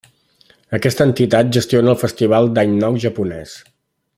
Aquesta entitat gestiona el festival d'any nou japonès.